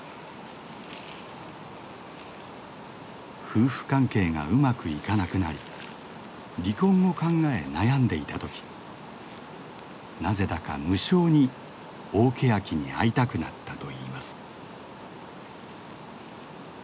夫婦関係がうまくいかなくなり離婚を考え悩んでいた時なぜだか無性に大ケヤキに会いたくなったといいます。